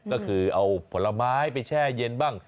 ก็คือเอาผลไม้ไปแช่เย็นบ้าง